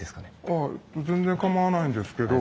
はい全然構わないんですけど。